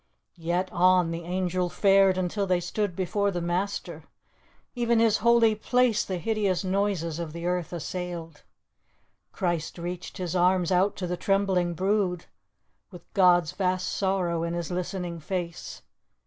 Yet on the Angel fared, until they stood Before the Master. (Even His holy place The hideous noises of the earth assailed.) Christ reached His arms out to the trembling brood, With God's vast sorrow in His listening face.